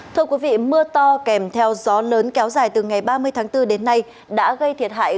thưa quý vị mưa to kèm theo gió lớn kéo dài từ ngày ba mươi tháng bốn đến nay đã gây thiệt hại